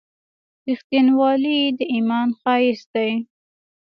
• رښتینولي د ایمان ښایست دی.